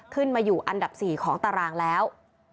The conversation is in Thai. ขึ้นมาอยู่อันดับ๔ของตารางแล้ว